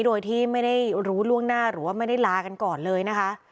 โดยที่ไม่ได้รู้ล่วงหน้าหรือว่าไม่ได้ลากันก่อนเลยนะคะ